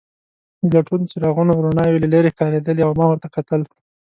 د لټون څراغونو رڼاوې له لیرې ښکارېدلې او ما ورته کتل.